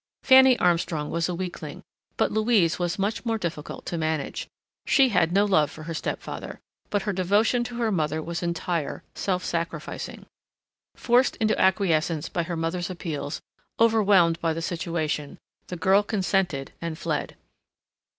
Fanny Armstrong was a weakling, but Louise was more difficult to manage. She had no love for her stepfather, but her devotion to her mother was entire, self sacrificing. Forced into acquiescence by her mother's appeals, overwhelmed by the situation, the girl consented and fled.